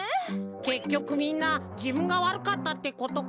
けっきょくみんなじぶんがわるかったってことか。